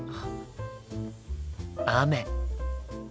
雨。